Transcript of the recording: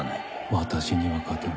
私には勝てぬ。